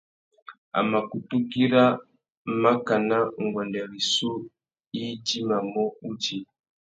A mà kutu güira makana nguêndê rissú idjimamú udjï.